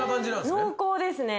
濃厚ですね。